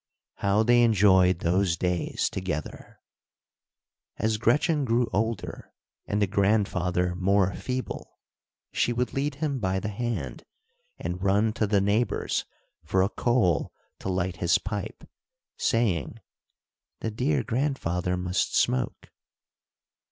How they enjoyed those days together. As Gretchen grew older, and the grandfather more feeble, she would lead him by the hand and run to the neighbor's for a coal to light his pipe, saying: "The dear grandfather must smoke."